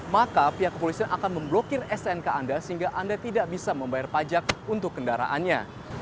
maka pihak kepolisian akan memblokir stnk anda sehingga anda tidak bisa membayar pajak untuk kendaraannya